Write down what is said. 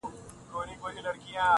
کورنۍ، کلی، ناکامي، ناخبري